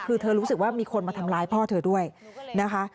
คือเธอรู้สึกว่ามีคนมาทำร้ายพ่อเธอด้วยนะคะ